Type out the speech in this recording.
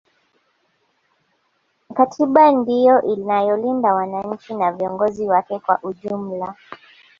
katiba ndiyo inayolinda wananchi na viongozi wake kwa ujumla